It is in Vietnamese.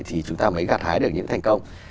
thì chúng ta mới gặt hái được những thành công